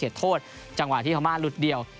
เหตุโทษจังหวะที่ฮามาร์หลุดเดียว